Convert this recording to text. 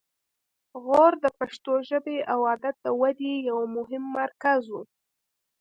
غور د پښتو ژبې او ادب د ودې یو مهم مرکز و